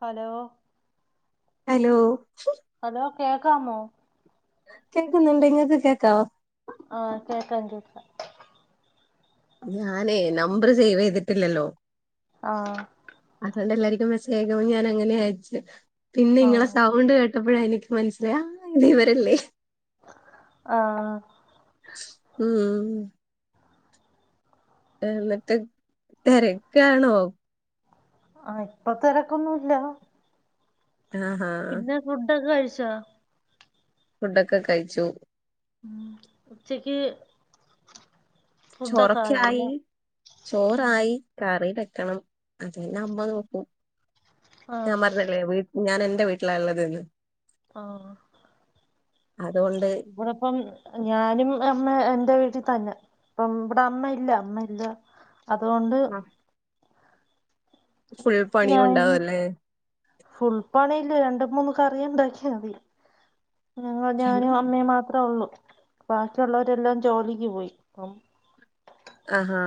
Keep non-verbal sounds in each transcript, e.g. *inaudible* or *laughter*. Hello hello hello കേക്കാമോ കേൾക്കുന്നുണ്ട് ങ്ങക്ക് കേക്കാവോ ആഹ കേക്കാം കേക്കാം ഞാനേ നമ്പർ സേവ് ചെയ്തിട്ടില്ലല്ലോ ആഹ അതൊണ്ട് എല്ലാർക്കും മെസ്സേജ് അയക്കുമ്പോ അങ്ങനെ അയച്ചേ പിന്നെ ഇങ്ങളെ ആഹ് സൗണ്ട് കേ- ട്ടപ്പോഴാ എനിക്ക് മനസ്സിലായെ ആ ഇത് ഇവരല്ലേ ആഹ ഉം എന്നിട്ട് തെരക്കാണോ ആഹ ഇപ്പത്തെരക്കൊന്നുല്ല ആഹാ ഫുഡൊക്കെ കഴിച്ചോ ഫുഡൊക്കെ കയ്ച്ചു ഉച്ചക്ക് ഫുഡൊക്കെ ചോറൊക്ക്യായി ആയോ ചോറായി കറി ബെക്കണം അത്പ്ന്നെമ്മ നോക്കും. ആഹ് ഞാം പർഞ്ല്ലേ വീട്ട് ഞാനെന്റെ വീട്ട്ല ള്ളത് ആഹ് അതുകൊണ്ട് ഇവിടപ്പം ഞാനും അമ്മ എന്റെ വീട്ടി തന്നെ പ്പം ഇവിടെ അമ്മ ഇല്ല അമ്മ ഇല്ല അത്കൊണ്ട് ഫുൾ ഞാൻ പണിയുണ്ടാവു അല്ലേ ഫുൾ പണീല്ലേ രണ്ട് മൂന്ന് കറിയ്ണ്ടാക്കിയാ മതി ഞങ്ങ ഞാനും അമ്മയും മാത്രേ ഒള്ളൂ ബാക്കിയുള്ളവരെല്ലാം ജോലിക്ക് പോയി പ്പം ആഹാ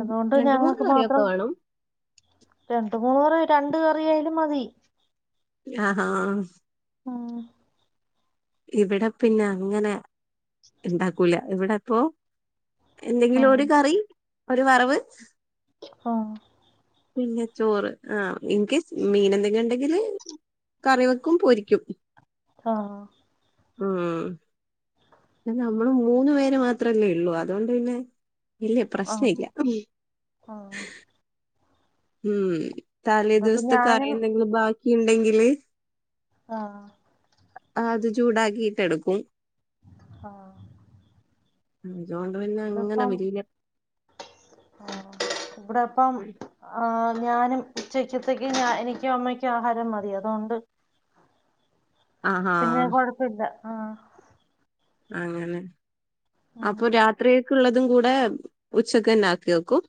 അത്കൊണ്ട് രണ്ട് മൂന്ന് ഞങ്ങക്ക് കറിയൊക്കെ മാത്രം വേണം രണ്ട് മൂറ് രണ്ട് കറിയായാലും മതി ആഹാ ഉം ഇവിടെ പിന്നെ അങ്ങനെ ഇണ്ടാക്കൂല. ഇവിടെപ്പോ എന്തെങ്കിലും ഉം, ഒരു കറി ഒരു വറവ് ഉം, പിന്നെ ചോറ് ആഹ് ഇൻകൈസ് മീനെന്തെങ്കിലുണ്ടെങ്കില് കറിവെക്കും പൊരിക്കും ആഹാ ഉം. പിന്ന നമ്മള് മൂന്ന് പേര് മാത്രല്ലേ ഒള്ളൂ അതോണ്ട് പിന്നെ ഇല്ല്യ ആ, പ്രശ്ന ഇല്ല്യ ആ. ഉം തലേ ഇതിപ്പോ ദിവസ്ത്തെ ഞാനും കറിയന്തെങ്കിലും ബാക്കി ണ്ടെങ്കില് ആഹ് ആഹ് അത് ചൂടാക്കിയിട്ടെടുക്കും ആഹ് ഇതൊണ്ട് പിന്നെ അങ്ങനെ വല്ല്യ ആഹ് ഇബ്ടെപ്പം ആഹ് ഞാനും ഉച്ചക്ക്യത്തേക്ക് ഞ എനിക്കും അമ്മക്ക്യും ആഹാരം മതി അതോണ്ട് ആഹാ പിന്നെ കൊഴപ്പല്ല ആഹ് അങ്ങനെ. ഉം. അപ്പൊ രാത്രിക്കക്ക്‌ ള്ളതും കൂടെ ഉച്ചക്കന്നെ ആക്കി വെക്കും?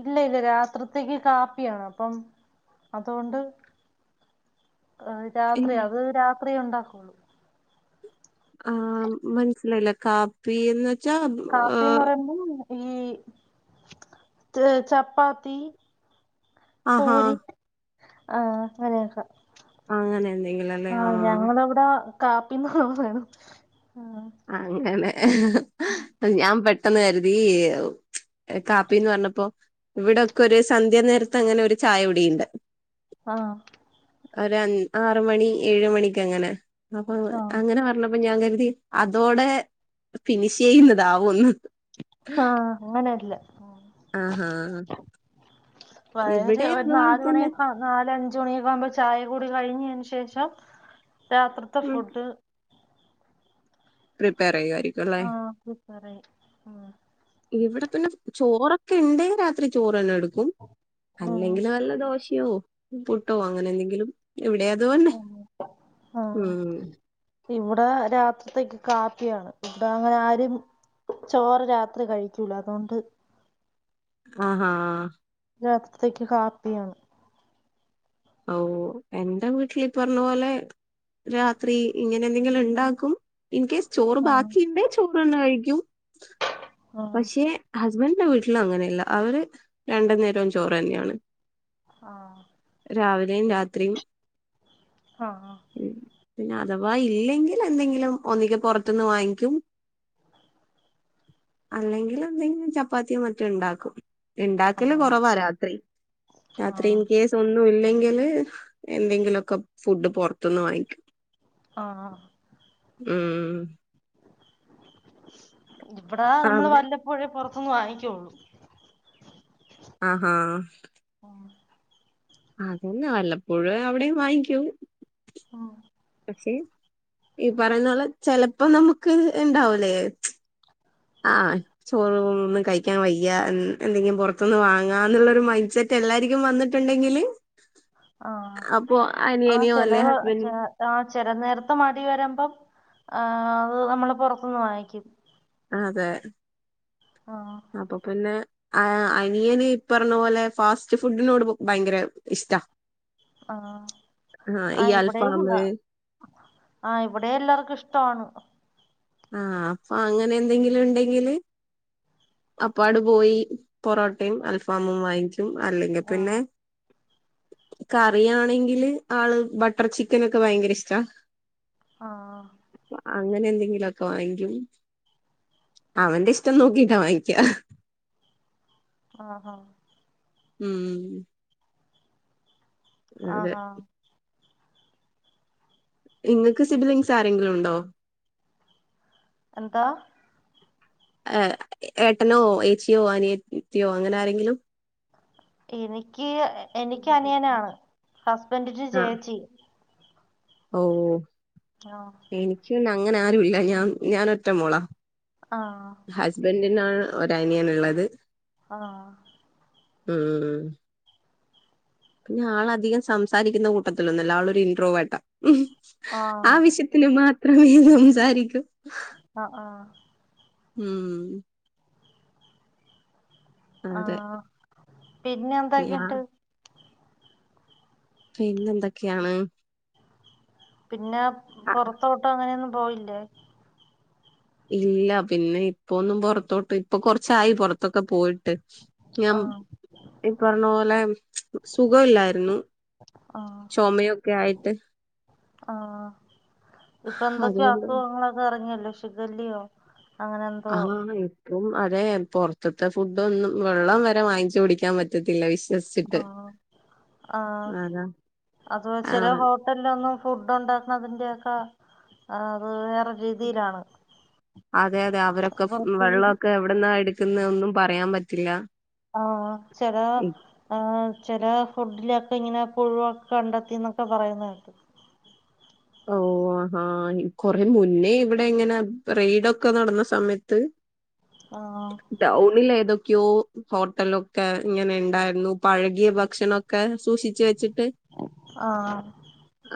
ഇല്ല ഇല്ല്യ. രാത്രിത്തേക്ക് കാപ്പിയാണ് അപ്പം അതുകൊണ്ട് ആഹ് രാത്രി അത് രാത്രിയുണ്ടാകൊള്ളു ആഹ് മൻസ്സ്ലായില്ല കാപ്പീന്ന് കാപ്പിന്നറയുമ്പം ഈ ത് ചപ്പാത്തി ആഹാ പൂരി ആഹ് അങ്ങനെയൊക്ക അങ്ങനെ എന്തെങ്കിലും അല്ലേ ആഹ് ഞങ്ങളവിട കാപ്പീന്ന് പറിണതാണ് ആഹ് അ അങ്ങനെ ഉം ഞാൻ പെട്ടെന്ന് കരുതീ കാപ്പീന്ന് പറ്ഞ്ഞപ്പോ ഇവിടൊക്കെ ഒര് സന്ധ്യ നേരത്തങ്ങനെ ഒരു ചായ കുടീണ്ട് ആഹ് ഒരഞ് ആറ് മണി ഏഴ് മണിക്ക് അങ്ങനെ അപ്പൊ ആഹ് അങ്ങനെ പർ ണപ്പം ഞാൻ കരുതി അതോടെ ഫിനിഷ് ചെയ്യുന്നതാവുംന്ന് ആഹ് അങ്ങനെയല്ല ആഹാ വര് ഇവിടെ ഒരു അതുപോലെ നാല് തന്നെ മണിയൊക്കാ നാലഞ്ച് മണിയൊക്കെ ആകുമ്പ ചായ കുടി കഴിഞ്ഞേന് ശേഷം രാത്രിത്തെ ഫുഡ് പ്രിപ്പയർ ചെയ്യു ആയിരിക്കു അല്ലേ ആഹ് പ്രിപേറെയ്യും ഉം ഇവടെ പിന്നെ ചോറൊക്കെ ഇണ്ടെ രാത്രി ചോറന്നെ എടു ക്കും. ഉം അല്ലെങ്കിൽ വല്ല ദോശയോ പുട്ടോ അങ്ങനെ എന്തെങ്കിലും ഇവിടെ അതുപോന്നെ ഉം ആഹ് ഉം ഇവിടെ രാത്രിത്തേക്ക് കാപ്പിയാണ് ഇവിടെ അങ്ങനാരും ചോറ് രാത്രി കഴിക്കൂല അതുകൊണ്ട് ആഹാ രാത്രിത്തേക്ക് കാപ്പിയാണ് ഓഹ് എന്റെ വീട്ടിൽ ഈ പറഞ്ഞ പോലെ രാത്രി ഇങ്ങനെ എന്തെങ്കിലും ഉണ്ടാക്കും ഇൻകേസ് ചോറ് ആഹ് ബാക്കിയുണ്ടേ ചോറന്നെ കഴിക്കും ആഹ് പക്ഷെ ഹസ്ബന്റിന്റെ വീട്ടിലങ്ങനെയല്ല അവര് രണ്ട് നേരവും ചോറന്നെയാണ്. ആഹാ രാവിലെയും, രാത്രിയും. ആഹാ ആഹാ.. ഉം പിന്നെ അഥവാ ഇല്ലെങ്കിൽ- എന്തെങ്കിലും ഒന്നെങ്കെ പുറത്തു നിന്ന് വാങ്ങിക്കും. അല്ലെങ്കിൽ എന്തെങ്കിലും- ചപ്പാത്തിയും മറ്റും ഉണ്ടാക്കും. ഉണ്ടാക്കല് ആഹ് കൊറവാ രാത്രി, രാത്രി ആഹ് ഇൻ കേസ്- ഒന്നും ഇല്ലെങ്കില് എന്തെങ്കിലൊക്കെ- ഫുഡ് പുറത്തു നിന്ന് വാങ്ങിക്കും. ആഹ് ഉം... ഇവിടാ നമ്മള് അവിടെ വല്ലപ്പോഴേ- പുറത്തൊന്ന് വാങ്ങിക്കുള്ളൂ. ആഹാ ആഹാ... ഓ... അതന്നെ വല്ലപ്പോഴേ അവിടെയും വാങ്ങിക്കൂ. ഉം.... പക്ഷെ ഈ പറയുന്ന പോലെ- ചെലപ്പോ നമുക്ക് ഇണ്ടാവൂലേ? ആഹ് ചോറ് ഒന്നും കഴിക്കാൻ വയ്യ- എന്തെങ്കിലും പുറത്തൊന്ന് വാങ്ങാ- എന്നുള്ളൊരു മൈൻഡ്സെറ്റ്. എല്ലാർക്കും വന്നിട്ടുണ്ടെങ്കില്, ആഹാ അപ്പൊ ആഹാ അനിയനിയോ അല്ലെ ചെലവ് ഹസ്ബൻഡ് ചേ- ആഹാ ചെല നേരത്ത് മടി വരുമ്പം- ആഹാ അത് നമ്മള് പുറത്തു നിന്ന് വാങ്ങിക്കും. അതെ. ആഹാ... അപ്പോ പിന്നെ, ആഹാ അനിയന് ഈ പറഞ്ഞ- പോലെ ഫാസ്റ്റ് ഫുഡിനോട് ഭയങ്കര ഇഷ്ടാ. ആഹാ ആഹ് ആഹാ ഈ ഇവിടെയും അൽഫാമ് കൊള്ളാം. ആഹാ ഇവിടെ എല്ലാർക്കും ഇഷ്ടമാണ്. ആഹാ അപ്പോ അങ്ങനെ- എന്തെങ്കിലും ഉണ്ടെങ്കില്, അപ്പാണ്ട് പോയി പൊറോട്ടയും, അൽഫാമും വാങ്ങിക്കും. അല്ലെങ്കിൽ ആഹ് പിന്നെ- *inaudible* കറി ആണെങ്കില് ആള് ബട്ടർ- ചിക്കനൊക്കെ ഭയങ്കര ഇഷ്ടാ. ആഹാ... അങ്ങനെ എന്തെങ്കിലും ഒക്കെ വാങ്ങിക്കും, അവന്റെ ഇഷ്ടം നോക്കീട്ടാ വാങ്ങി- ക്ക. ആഹാ.. ഉം... അതെ ആഹാ.. നിങ്ങൾക്ക് സിബിലിങ്സ് ആരെങ്കിലും ഉണ്ടോ? എന്താ? ഏ ഏട്ടനോ, ഏച്ചിയോ, അനിയത്തിയോ, അങ്ങനെ ആരെങ്കിലും? എനിക്ക്, എനിക്ക് അനിയനാ, ഹസ്ബൻഡിനാ ആഹ് ചേച്ചി. ഓ... ആഹാ.. എനിക്ക് പിന്നെ അങ്ങനെ ആരും ഇല്ല. ഞാൻ, ഞാൻ ഒറ്റ മോളാ. ആണോ? ഹസ്ബൻഡിനാണ് ഒരനിയൻ ഉള്ളത്. ആഹാ. ഉം ഉം ഉം. പിന്നെ ആളധികം സംസാരിക്കുന്ന- കൂട്ടത്തിലൊന്നുമല്ല. ആളൊ ഒരു ഇൻറ്രോവർട്ടാ. ഉം.. ആഹ് ആവശ്യത്തിന് മാത്രമേ സംസാരിക്കൂ. ആഹാ ആഹാ... ഉം ഉം അതെ ആഹ പിന്നെ ഞാ എന്താക്കെയുണ്ട്? പിന്ന എന്തൊക്കെയാണ് പിന്നെ അ പുറത്തോട്ട് അങ്ങനെയൊന്നും പോകലില്ലേ ഇല്ല. പിന്നെ ഇപ്പൊന്നും പുറത്തോട്ട്, ഇപ്പൊ കൊറച്ചായി പുറത്തൊക്കെ പോയിട്ട്. ഞാൻ ആഹ് ഇപ്പറഞ്ഞ പോലെ സുഖമില്ലായിരുന്നു. ആഹ ചുമയൊക്കെ ആയിട്ട് ആഹ.. ഇപ്പൊ എന്തൊക്കെയോ അതുകൊണ്ട് അസുഖങ്ങളൊക്കെ ഇറങ്ങിയല്ലോ ഷിഗല്ലിയോ? ആഹ.. ഇപ്പം അതെ. പൊറത്തൂന്നു ഫുഡ് ഒന്നും, വെള്ളം വരെ വാങ്ങിച്ചു കുടിക്കാൻ പറ്റില്ല പറ്റത്തില്ല വിശ്വസിച്ചിട്ട്, ആഹ് ആഹ് അതാ, ആ ഹോട്ടലൊന്നും ഫുഡ് ഉണ്ടാക്കണതിന്റെ ഒക്കെ, അത് വേറെ രീതിയിലാണ് അതെ, അതെ അവരൊക്കെ വൃത്തിയും വെള്ളമൊക്കെ എവിടന്നാ എടുക്കുന്ന ഒന്നും പറയാൻ പറ്റില്ല. ആ ചില.. ആ ചില ഫുഡിലൊക്കെ ഇങ്ങനെ പുഴു ഒക്കെ കണ്ടെത്തി എന്നൊക്കെ പറയുന്നതു കേട്ടു. ഓ ആ കൊറേ മുന്നേ ഇവിടെ ഇങ്ങനെ റെയ്ഡൊക്കെ നടന്ന സമയത്ത്. *inaudible* ആഹ ടൗണിൽ ഏതൊക്കെയോ ഹോട്ടലൊക്കെ ഇങ്ങനെ ഉണ്ടായിരുന്നു പഴകിയ ഭക്ഷണൊക്കെ സൂക്ഷിച്ചു വെച്ചിട്ട് ആഹ്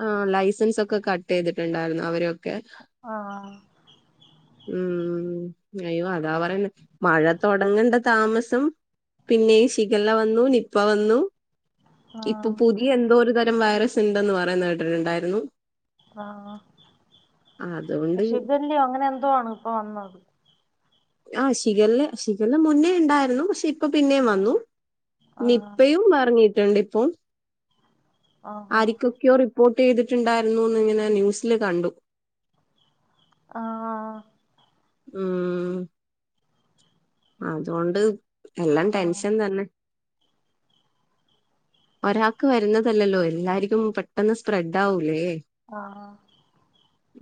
ആ ലൈസൻസ് ഒക്കെ കട്ട് ചെയ്തിട്ടുണ്ടായിരുന്നു. അവരൊക്കെ ആഹ *inaudible* ഉം അയ്യോ അതാ പറയണെ മഴ തുടങ്ങണ്ട താമസം പിന്നെ ഈ ഷിഗേല വന്നു, നിപ്പ വന്നു ഇപ്പൊ ആഹ് പുതിയ എന്തോ ഒരു തരം വൈറസ് ഉണ്ടെന്ന് പറയുന്ന കേട്ടിട്ടുണ്ടായിരുന്നു. ആ.. അതുകൊണ്ട് ഷിഗല്ല അങ്ങനെ എന്തോണ് ഇപ്പൊ വന്നത്. ആഹ്. ഷിഗല്ല, ഷിഗല്ല മുന്നേ ഉണ്ടായിരുന്നു. പക്ഷെ ഇപ്പൊ പിന്നെ ആഹ് വന്നു? ആഹ് നിപ്പയും ഇറങ്ങിയിട്ടുണ്ട് ഇപ്പോ. ആഹാ ആരിക്കൊക്കെയോ റിപ്പോർട്ട് ചെയ്തിട്ടുണ്ടായിരുന്നൂന്ന് ഇങ്ങനെ ന്യൂസില് കണ്ടു. ആഹ്... ഉം... അതുകൊണ്ട്, എല്ലാം ആഹ് ടെൻഷൻ തന്നെ. ഒരാൾക്ക് വരുന്നതല്ലല്ലോ. എല്ലാർക്കും പെട്ടെന്ന് സ്പ്രെഡ് ആവൂലേ. ആഹ്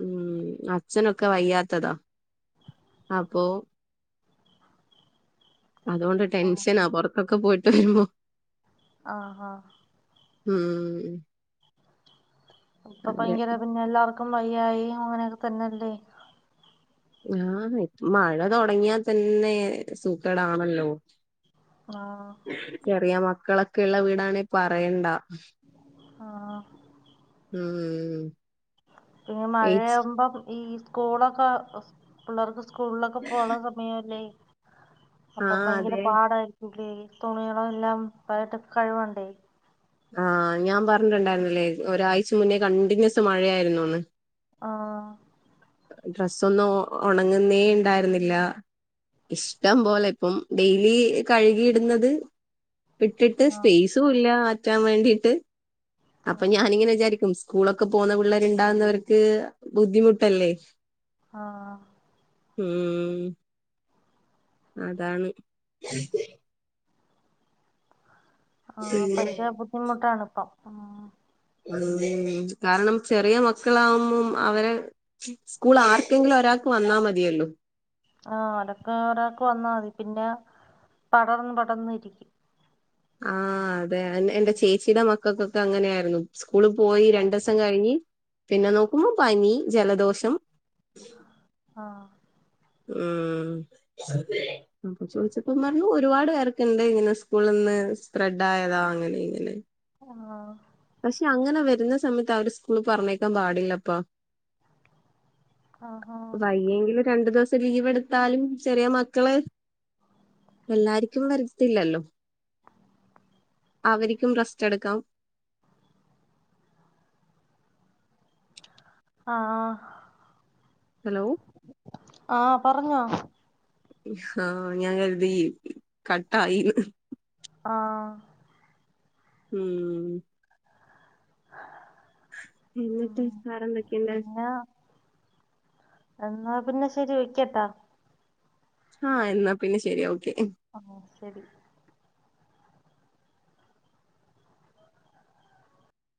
ഉം.. അച്ഛനൊക്കെ വയ്യാത്തതാ അപ്പോ. അതുകൊണ്ട് ആഹ് ടെൻഷനാ. പുറത്തൊക്കെ പോയിട്ട് വരുമ്പോ. ആഹ ആ ഉം ഇപ്പൊ അതെ. ഭയങ്കര പിന്നെ എല്ലാവർക്കും വയായി അങ്ങനെയൊക്കെ തന്നെയല്ലേ? ആഹ് മഴ തുടങ്ങിയാ തന്നെ സൂക്കടാണല്ലോ? ആഹ് ചെറിയ മക്കളൊക്കെയുഉള്ള വീടാണേ പറയണ്ട. ആഹ് ഉം പിന്നെ ഏച്ചി മഴയാകുമ്പം ഈ സ്കൂളൊക്കെ പിള്ളേർക്ക് സ്കൂളിലൊക്കെ. യല്ലേ അപ്പൊ ആഹ് ഭയങ്കര അതെ പാടായി. തുണികളെല്ലാം കഴുവണ്ടേ ആഹ ഞാൻ പറഞ്ഞിട്ടുണ്ടായിരുന്നില്ലേ ഒരാഴ്ച മുന്നേ കണ്ടിന്യുസ് മഴയായിരുന്നുന്ന്. ആഹ ഡ്രസ്സ ഒന്നും ഉണങ്ങുന്നേ ഉണ്ടായിരുന്നില്ല. ഇഷ്ടം പോലെ ഇപ്പം ഡെയിലി കഴുകിയിടുന്നത്. ഇട്ടിട്ട് ആഹ് സ്പേസും ഇല്ല മാറ്റാൻ വേണ്ടിട്ട് അപ്പൊ ഞാനിങ്ങനെ വിചാരിക്കും. സ്കൂളൊക്കെ പോവുന്ന പിള്ളേരൊക്കെണ്ടാവുന്നവർക്ക് ബുദ്ധിമുട്ടല്ലേ? ആഹ ഉം അതാണ്. ആഹ പിന്നെ ഭയങ്കര ബുദ്ധിമുട്ടാണ് ഇപ്പം. ഉ കാരണം ചെറിയ മക്കളാവുമ്പം അവരെ. സ്കൂൾ ആർക്കെങ്കിലും ഒരാൾക്ക് വന്നാൽ മതിയല്ലോ? ആഹ അതൊക്കെ ഒരാക്ക് വന്നാൽ മതി പിന്നെ പടർന്ന് പടർന്ന് ഇരിക്കും. ആഹ അതെ ഉം എന്റെ ചേച്ചിയുടെ മക്കൾക്കൊക്കെ അങ്ങനെയായിരുന്നു. സ്കൂളിൽ പോയി രണ്ട് ആഹ് ദിവസം കഴിഞ്ഞ് പിന്നെ നോക്കുമ്പോ പനി ജലദോഷം. ആഹ് ഉം ചോദിച്ചപ്പോ പറഞ്ഞു ഒരുപാട് പേർക്കി ണ്ട് ഇങ്ങനെ സ്കൂളിന്ന് സ്പ്രെഡ് ആയതാ അങ്ങനെ ഇങ്ങനെ. ആഹ് പക്ഷെ അങ്ങനെ വരുന്ന സമയത്ത് അവര് സ്കൂള് പറഞ്ഞേക്കാൻ പാടില്ലപ്പ. ആഹ് ആഹ് വയ്യെങ്കിൽ രണ്ടു ദിവസം. ലീവെടുത്താലും ചെറിയ മക്കള് എല്ലാർക്കും വരത്തില്ലല്ലോ? അവർക്കും റസ്റ്റ് എടുക്കാം. ആഹ് ആഹ് ഹലോ. ആഹ് പറഞ്ഞോ? ആഹ് ഞാൻ കരുതി കട്ടായിന്ന്. ആഹ് ഉം ഉം എന്നിട്ട് വേറെന്തൊക്കെയുണ്ട് പിന്നാ എന്നാ പിന്നെ ശെരി വയ്ക്കട്ടാ? ആഹ എന്നാ പിന്നെ ശരി ഓക്കെ. ശരി.